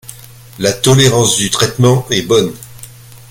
La tolérance du traitement est bonne.